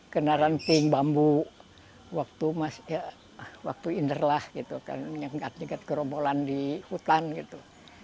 kenaran ping bambu waktu inder lah nyegat nyegat kerobolan di hutan gitu